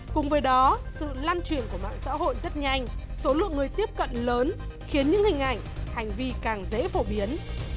cùng với đó sự lan truyền của mạng xã hội rất nhanh số lượng người tiếp cận lớn khiến những hình ảnh hành vi càng dễ phổ biến